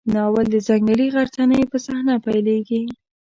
ناول د ځنګلي غرڅنۍ په صحنه پیلېږي.